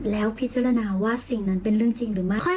แล้วพิจารณาว่าสิ่งนั้นเป็นเรื่องจริงหรือไม่